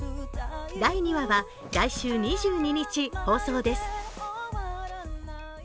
第２話は来週２２日放送です。